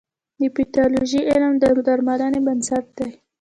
د پیتالوژي علم د درملنې بنسټ دی.